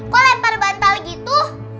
kok lepar bantal gitu